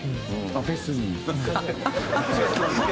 フェスに？